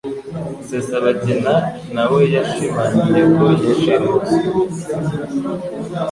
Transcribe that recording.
Rusesabagina na we yashimangiye ko yashimuswe